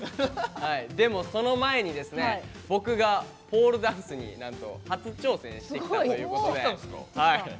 でも、その前に僕がポールダンスに初挑戦してきたということで。